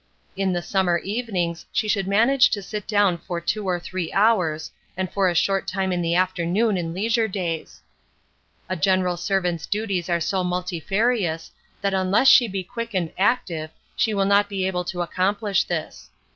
In the summer evenings she should manage to sit down for two or three hours, and for a short time in the afternoon in leisure days. A general servant's duties are so multifarious, that unless she be quick and active, she will not be able to accomplish this.